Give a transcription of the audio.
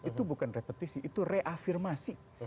itu bukan repetisi itu reafirmasi